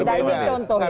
nah ini contoh ya